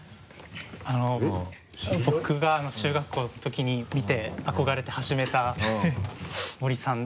あの僕が中学校のときに見て憧れて始めた森さん。